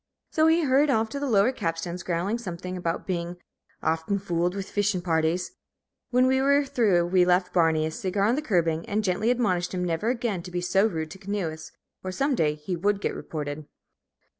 So he hurried off to the lower capstans, growling something about being "oft'n fooled with fish'n' parties." When we were through we left Barney a cigar on the curbing, and gently admonished him never again to be so rude to canoeists, or some day he would get reported.